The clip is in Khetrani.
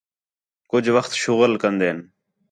کُج وخت شغل کندین